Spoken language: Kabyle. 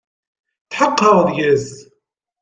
Tḥeqqeɣ deg-s.